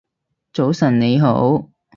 早晨你好